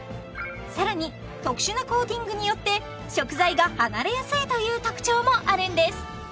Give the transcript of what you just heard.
更に特殊なコーティングによって食材が離れやすいという特徴もあるんです